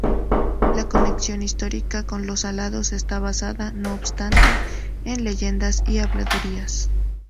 La conexión histórica con los alanos está basada, no obstante, en leyendas y habladurías.